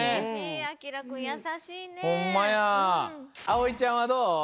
あおいちゃんはどう？